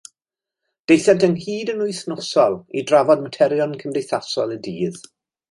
Daethant ynghyd yn wythnosol i drafod materion cymdeithasol y dydd.